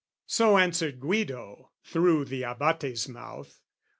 So answered Guido through the Abate's mouth.